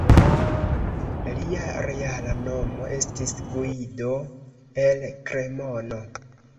Lia reala nomo estis Guido el Kremono.